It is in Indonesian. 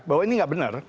bahwa ini gak benar